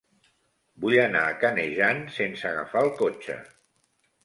Vull anar a Canejan sense agafar el cotxe.